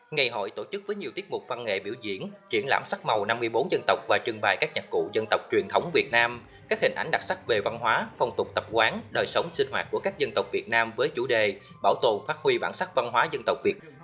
ngày hội tổ chức với nhiều tiết mục văn nghệ biểu diễn triển lãm sắc màu năm mươi bốn dân tộc và trưng bài các nhạc cụ dân tộc truyền thống việt nam các hình ảnh đặc sắc về văn hóa phong tục tập quán đời sống sinh hoạt của các dân tộc việt nam với chủ đề bảo tồn phát huy bản sắc văn hóa dân tộc việt